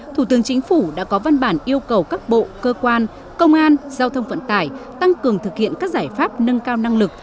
thủ tướng chính phủ đã có văn bản yêu cầu các bộ cơ quan công an giao thông vận tải tăng cường thực hiện các giải pháp nâng cao năng lực